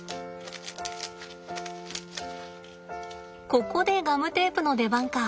ここでガムテープの出番か。